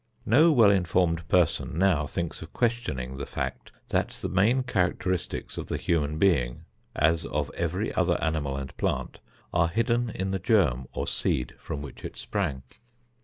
No well informed person now thinks of questioning the fact that the main characteristics of the human being, as of every other animal and plant, are hidden in the germ or seed from which it sprang.